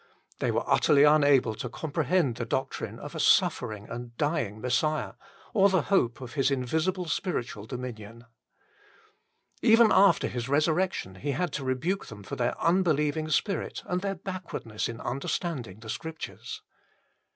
They were utterly unable to com prehend the doctrine of a suffering and dying Messiah or the hope of His invisible spiritual dominion. Even after His resurrection He had to rebuke them for their unbelieving spirit and their backwardness in understanding the Scriptures.